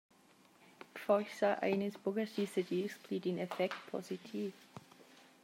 Forsa ein ins buca schi segirs pli d’in effect positiv?